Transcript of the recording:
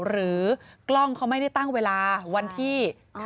กล้องเขาไม่ได้ตั้งเวลาวันที่